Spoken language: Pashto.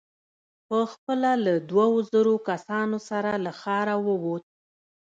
په خپله له دوو زرو کسانو سره له ښاره ووت.